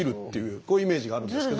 こういうイメージがあるんですけど。